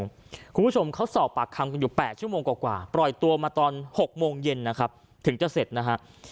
คุณผู้ชมเขาสอบปากคำกันอยู่๘ชั่วโมงกว่าปล่อยตัวมาตอน๖โมงเย็นนะครับถึงจะเสร็จนะฮะ